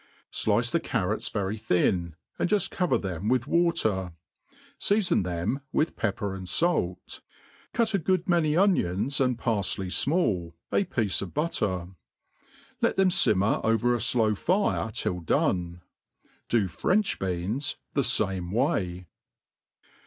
SI^CE the carrots very thin, and juft cover them with wa* ter ; feafon them with pepper and fait, cut a good many anion? and parfley fmall, a piece of butter ; let them iMmer over a flow fire till done. Do French beans the fame way.